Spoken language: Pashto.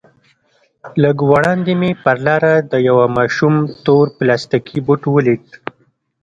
لږ وړاندې مې پر لاره د يوه ماشوم تور پلاستيكي بوټ وليد.